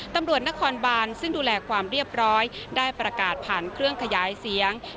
ตำรวจนครบานซึ่งดูแลความเรียบร้อยได้ประกาศผ่านเครื่องขยายเสียง